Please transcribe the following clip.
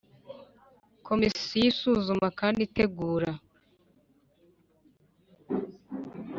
Komisiyo isuzuma kandi igategura